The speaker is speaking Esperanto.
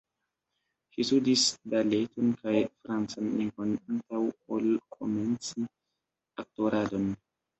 Ŝi studis baleton kaj francan lingvon antaŭ ol komenci aktoradon.